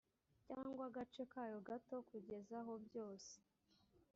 cyangwa agace kayo gato kugeza aho byose